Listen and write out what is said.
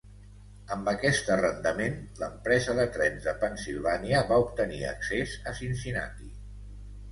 Amb aquest arrendament, l'empresa de trens de Pennsilvània va obtenir accés a Cincinnati.